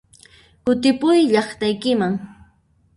Kutipuy llaqtaykiman!